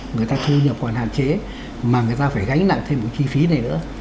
người ta thu nhập khoản hạn chế mà người ta phải gánh nặng thêm một chi phí này nữa